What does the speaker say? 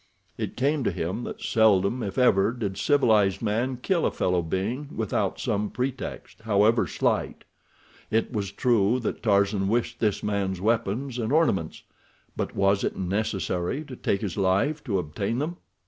It came to him that seldom if ever did civilized man kill a fellow being without some pretext, however slight. It was true that Tarzan wished this man's weapons and ornaments, but was it necessary to take his life to obtain them?